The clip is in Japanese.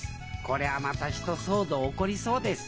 こりゃあまた一騒動起こりそうです。